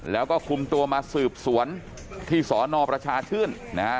แล้วก็คุมตัวมาสืบสวนที่สนประชาชื่นนะฮะ